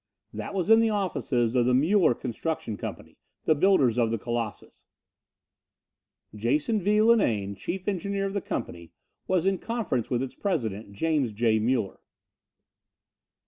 That was in the offices of the Muller Construction Company, the builders of the Colossus. Jason V. Linane, chief engineer of the company, was in conference with its president, James J. Muller.